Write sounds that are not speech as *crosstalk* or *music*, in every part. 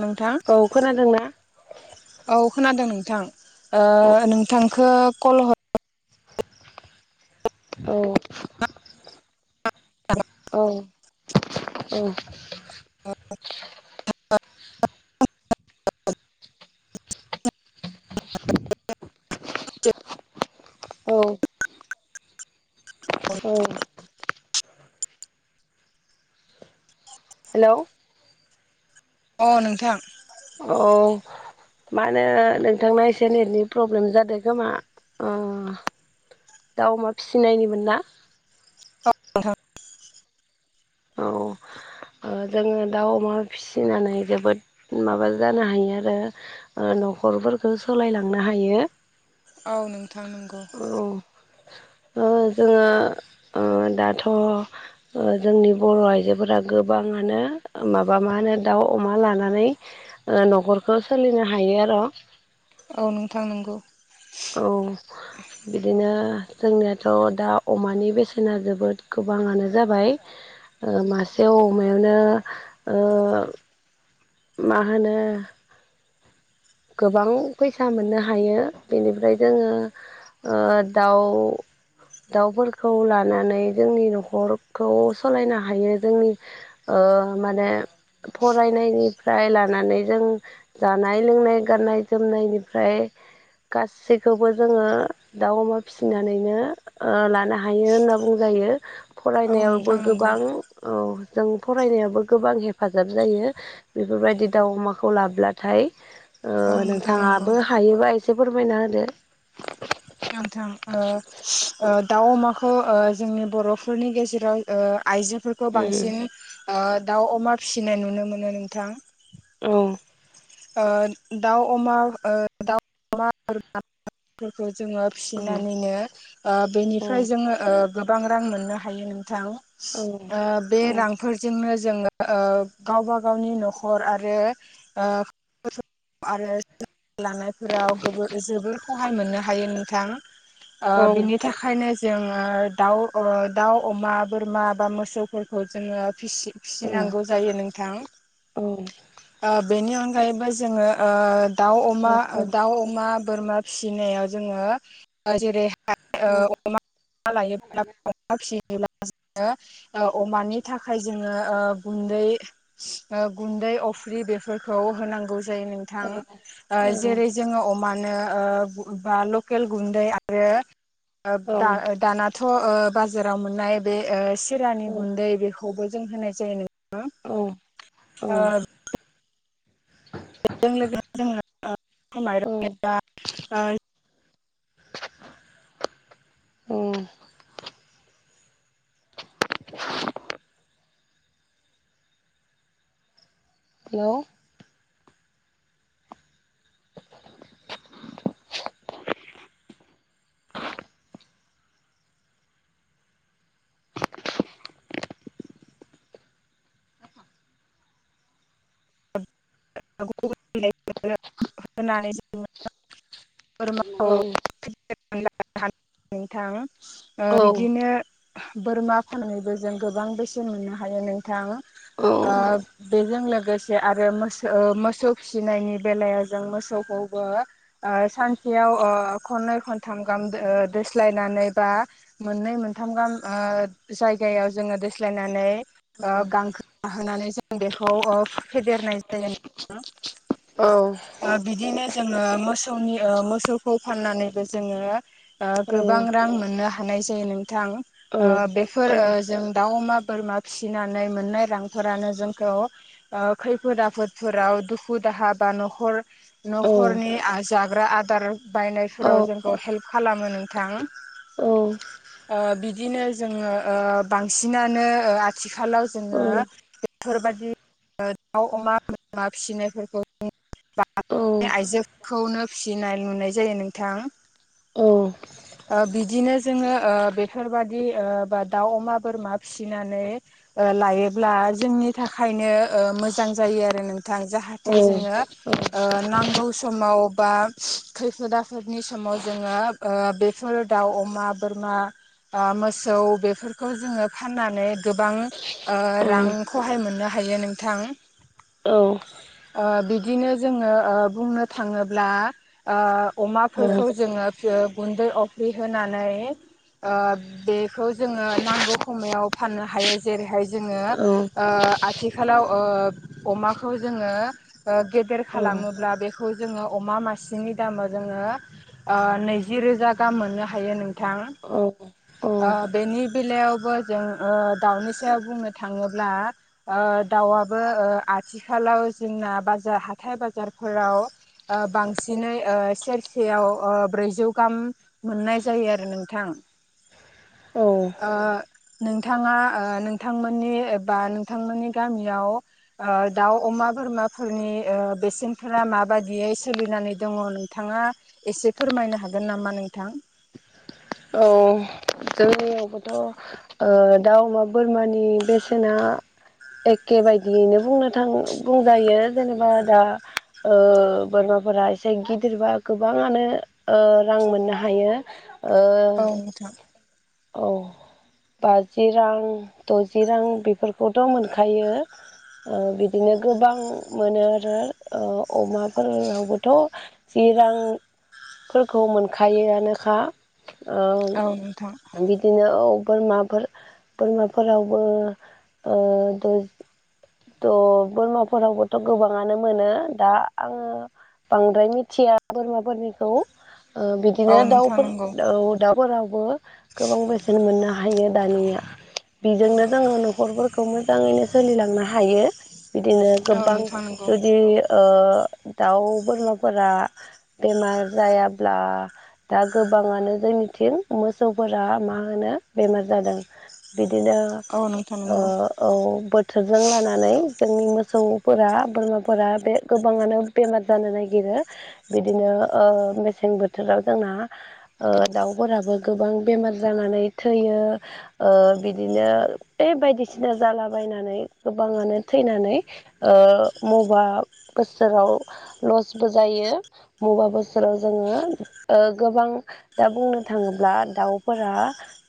नोंथां। औ खोनादोंना औ खोनादों नोंथां औ ओ नोंथांखौ कल हर। औ औ औ। *inaudible* *inaudible* औ। अ। हेल'। अ नोंथां। औ। मा होनो नोंथांना एसे नेटनि प्रब्लेम जादों खोमा अ'। दाउ अमा फिसिनायनिमोन ना। *inaudible* औ। जोङो दाउ अमा फिसिनानै जोबोद माबा जानो हायो आरो। ओ न'खरफोरखौ सोलायलांनो हायो। औ नोंथां नंगौ। औ ओ जोङो ओ दाथ'। ओ जोंनि बर' आइजोफोरा गोबाङानो माबा मा होनो दाउ अमा लानानै। ओ न'खरखौ सोलिनो हायो आरो'। औ नोंथां नंगौ। औ। बिदिनो जोंनियाथ' दा अमानि बेसेना जोबोद गोबाङानो जाबाय। ओ मासेयाव अमायावनो ओ मा होनो। गोबां फैसा मोननो हायो बेनिफ्राय जोङो ओ दाउ। दाउफोरखौ लानानै जोंनि न'खरखौ सालायनो हायो जोंनि। ओ माने। फरायनायनिफ्राय लानानै जों जानाय लोंनाय गाननाय जोमनायनिफ्राय गासैखौबो जोङो। दाउ अमा फिसिनानैनो ओ लानो हायो होनना बुंजायो। औ फरायनायावबो नोंथां नंगौ गोबां औ जों फरायनायावबो गोबां हेफाजाब जायो। बेफोरबायदि दाउ अमाखौ लाब्लाथाय। औ ओ नोंथां नंगौ नोंथाङाबो हायोबा एसे फोरमायना होदो। नोंथां ओ ओ दाउ अमाखौ ओ जोंनि बर'फोरनि गेजेराव ओ आइजोफोर खौ बांसिन ओ दाउ अमा फिसिनाय नुनो मोनो नोंथां। औ। ओ दाउ अमा ओ दाउ अमाफोरखौ जोङो। फिसिनानैनो ओ औ बेनिफ्राय जोङो ओ गोबां रां मोननो हायो नोंथां। औ ओ बे रां जोंनियावबोथ' फोरजोंनो जोङो ओ गावबा गावनि न'खर आरो ओ आरो लानायफोराव जोबोर सहाय मोननो हायो नोंथां। आ बिनित बि थाखायनो जोङो दाउ दाउ अमा बोरमा बा मोसौफोरखौ जोङो फिसि फिसिनांगौ जायो नोंथां बेनि अनगायैबो जोङो दाउ अमा ओ दाउ अमा बोरमा फिसिनायाव जोङो जेरै अमा लायोब्ला अमा फि सिब्ला जोङो अमानि थाखाय जोङो गुन्दै गुन्दै अफ्रि बेफोरखौ होनांगौ जायो नोंथां जेरै जोङो अमानो बा लकेल गुन्दै आरो द दानाथ' बाजाराव मोननाय बे सिरानि गुन्दै बेखौ। खौबो जों होनाय जायो नङा बेजों जोङो माइरं ए उम हेल' होन औ नोंथां बिदिनो बोरमा फाननानैबो जों गोबां बेसेन मोननो हायो नोंथां आ बेजें लग आरो मोस मोसौ फिसिनायनि बेलायाव जों मोसौखौबो सानसेयाव खननै खनथाम गाहाम दोस्लायनानै बा मोननै मोनथाम गाहाम जायगायाव जोङो दोस्लायनानै गांखो जाहोनानै जों बेखौ फेदेरनाय जायो। औ। बिदिनो जोङो मोसौनि मोसौखौ फाननानैबो जोङो। गोबां रां मोननो हानाय जायो नोंथां बे। फोर जों दाउ अमा बोरमा फिसिनानै मोननाय रांफोरानो जोंखौ। खैफोद आफोदफोराव दुखु दाहा बा न'खर। न'खरनि जाग्रा आदार बायनाय फोराव जोंबो हेल्फ खालामो नोंथां। बिदिनो जोङो बांसिनानो आथिखालाव जोङो बेफोरबदि दाउ अमा बोरमा फिसिनायफोरखौ आइजोखौनो फिनाय नुनाय जायो नोंथां। औ। बिदिनो जोङो बेफोरबादि बा दाउ अमा बोरमा फिसिनानै। लायोब्ला जोंनि थाखायनो मोजां जायो आरो नोंथां जाहाथे। जे जोङो ओ नांगौ। समाव बा खैफोदाफोरनि समाव जोङो। बेफोरो दाउ अमा बोरमा। मोसौ बेफोरखौ जोङो फाननानै गोबां। रांखौहाय मोननो हायो नोंथां। औ। बिदिनो जोङो बुंनो थाङोब्ला। अमाफोरखौ जोङो गुन्दै अफ्रि होनानै। बेखौ जोङो नांगौ समायाव फाननो हायो जेरैहाय जोङो आथिखालाव अमाखौ जोङो। गेदेर खालामोब्ला बेखौ जोङो अमा मासेनि दामाव जोङो नैजि रोजा गाहाम मोननो हायो नोंथां। औ। ओ बेनि बेलायावबो जों ओ दाउनि सायाव बुंनो थाङोब्ला। ओ दाउआबो आथिखालाव जोंना बाजार हाथाय बाजारफोराव। ओ बांसिनै ओ सेरसेयाव ओ ब्रै जौ गाहाम मोननाय जायो आरो नोंथां। ओ नोंथाङा ओ नोंथांमोननि बा नोंथांमोननि गामियाव दाउ अमा बोरमाफोरनि बेसेनफोरा माबादियै सोलिनानै दङ नोंथाङा। एसे फोरमायनो हागोन नामा नोंथां। औ जोंनि आवबोथ'। ओ दाउ, अमा, बोरमानि बेसेना एखे बादियैनो बुंनो थाङो बुंजायो जेनेबा दा ओ बोरमाफोरा एसे गिदिरबा गोबाङानो ओ रां मोननो हायो ओ औ नोंथां औ। बाजि रां द'जि रां बेफोरखौथ' मोनखायो। ओ बिदिनो गोबां मोनो आरो ओ अमाफोरावबोथ' जि रांफोरखौ मोनखायोआनोखा। ओ औ नोंथां बि बिदिनो औ बोरमाफोर बोरमाफोरावबो ओ दै थ' बोरमाफोरावबोथ' गोबाङानो मोनो दा आं बांद्राय मिथिया बोरमाफोरनिखौ ओ बिदिनो औ नोंथां दाउफोर नंगौ दाउ दाउफोरावबो गोबां बेसेन मोननो हायो दानिया। बेजोंनो जोङो न'खरफोरखौ मोजाङैनो सोलिलांनो हा हायो बिदिनो औ गोबां नोंथां नंगौ जुदि ओ दाउ बोरमाफोरा बेमार जायाब्ला दा गोबाङानो जोंनिथिं मोसौफोरा मा होनो बेमार जादों। बिदिनो औ नोंथां ओ नंगौ औ बोथोर जों लानानै जोंनि मोसौफोरा बोरमाफोरा बे गोबाङानो बेमार जानो नागिरो। बिदिनो ओ मेसें बोथोराव जोंना ओ दाउफोराबो गोबां बेमार जानानै थैयो। ओ बिदिनो ये बायदिसिना जालाबायनानै गोबाङानो थैनानै ओ मबा बोसोराव लसबो जायो मबा बोसोराव जोङो ओ गोबां दा बुंनो थाङोब्ला दाउफोरा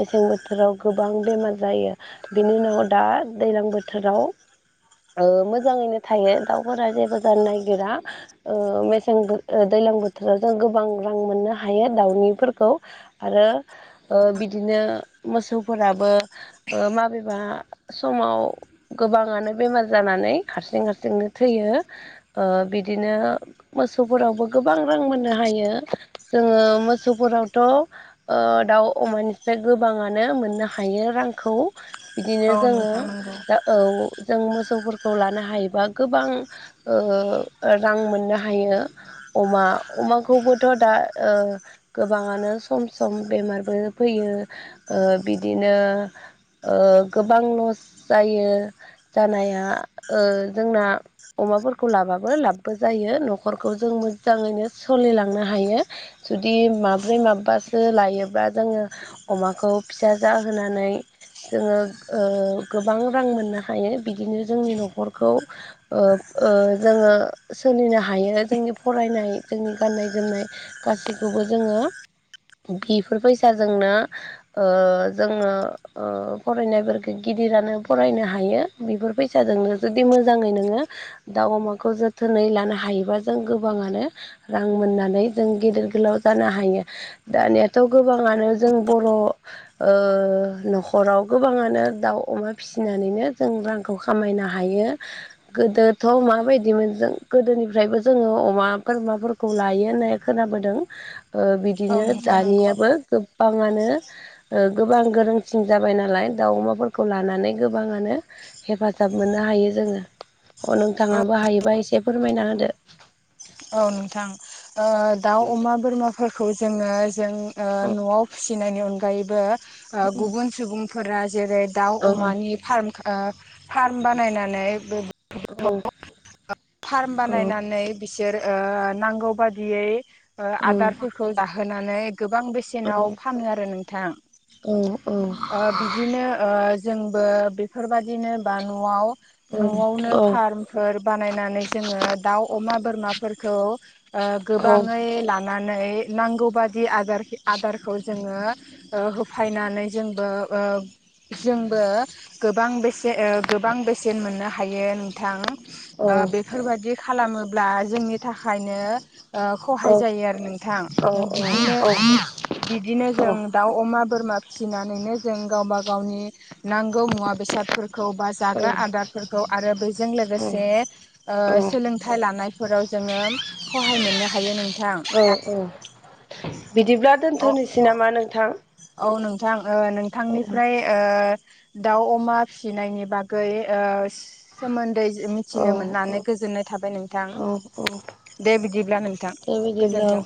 मेसें बोथोराव गोबां बेमार जायो। बेनि उनाव दा दैलां बोथोराव ओ मोजाङैनो थायो दाउफोरा जेबो जानो नागिरा। ओ मेसें बो, दैलां बोथोराव जों गोबां रां मोननो हायो दाउनिफोरखौ आरो ओ बिदिनो मोसौफोराबो ओ माबेबा समाव गोबाङानो बेमार जानानै हारसिं हारसिंनो थैयो। ओ बिदिनो मोसौफोरावबो गोबां रां मोननो हायो। जोङो मोसौफोरावथ' ओ दाउ, अमानिफ्राय गोबाङानो मोननो हायो रांखौ। बिदिनो औ जोङो नोंथां नंगौ दा औ जों मोसौफोरखौ लानो हायोबा गोबां ओ रां मोननो हायो। अमा अमाखौबोथ' दा ओ गोबाङानो सम सम बेमारबो फैयो। ओ बिदिनो ओ गोबां लस जायो जानाया, ओ जोंना अमाफोरखौ लाबाबो लाबबो जायो न'खरखौ जों मोजाङैनो सोलिलांनो हायो। जुदि माब्रै माबबासो लायोब्ला, जोङो अमाखौ फिसा जाहोनानै जोङो ओ गोबां रां मोननो हायो बिदिनो जोंनि न'खरखौ ओ ओ जोङो सोलिनो हायो जोंनि फरायनाय जोंनि गाननाय जोमनाय गासैखौबो जोङो बिफोर फैसाजोंनो ओ जोङो ओ फरायनायफोरखो गिदिरानो फरायनो हायो। बेफोर फैसाजोंनो जुदि मोजाङै नोङो दाउ अमाखौ जोथोनै लानो हायोबा जों गोबाङानो रां मोननानै जों गिदिर गोलाव जानो हायो। दानियाथ' गोबाङानो जों बर'ओ न'खराव गोबाङानो दाउ अमा फिसिनानैनो जों रांखौ खामायनो हायो। गोदोथ' माबायदिमोन जों गोदोनिफ्रायबो जोङो अमा बोरमाफोरखौ खौ लायो होननाय खोनाबोदों ओ औ बिदिनो नोंथां नंगौ दानियाबो गोबाङानो गोबां ओ गोरोंसिन जाबाय नालाय दाउ अमा खौ लानानै गोबाङानो हेफाजाब मोननो हायो जोङो अ नोंथाङाबो हायोबा एसे फोरमायना होदो। औ नोंथां ओ दाउ अमा बोरमाफोरखौ जोङो जों औ न'आव फिसिनायनि अनगायैबो गुबुन सुबुंफोरा जेरै दाउ औ अमानि फार्म ओ फार्म बानायनानै औ फार्म औ बानायनानै बिसोर नांगौ बाददियै ओ आदारफोरखौ दाहोनानै गोबां बेसेनाव फानो आरो नोंथां। बिदिनो ओ जोंबो बेफोरबदिनो बा न'आव औ औ न'आवनो फार्म फोर बानायनानै जोङो दाउ अमा बोरमाफोरखौ ओ गोबाङै औ लानानै नांगौबादि आरज आदारखौ जोङो होफायनानै जोंबो ओ जोंबो गोबां बेसेन गोबां बेसेन मोननो हायो नोंथां। औ ओ बेफोरबायाददि खालामोब्ला जोंनि थाखायनो ओ खहाय औ जायो आरो नोंथां द बिदिनो बिदिनो जों दाउ अमा बोरमा फिसिनानैनो जों गावबा गावनि नांगौ मुवा बेसादफोरखौ बा जाग्रा आदारफोरखौ आरो बेजों लोगोसे ओ सोलोंथाइ लानायफोराव जोङो सहाय मोननो हायो नोंथां। बिदिब्ला औ दोनथ'नोसै नामा नोंथां। औ नोंथां औ नोंथांनिफ्राय ओ दाउ अमा फिसिनायनि बागै सोमोन्दै औ मिथिनो औ मोननानै गोजोननाय थाबाय नोंथां औ औ दे बिदिब्ला नोंथां दे बिदिब्ला औ गोजोन्थों।